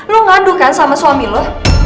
lo ngadu kan sama suami lu